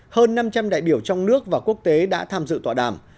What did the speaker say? hơn năm trăm linh đại biểu trong nước và quốc tế đã tham dự tọa đàm